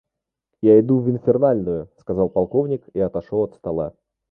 Я иду в инфернальную, — сказал полковник и отошел от стола.